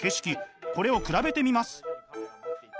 これを比べてみます。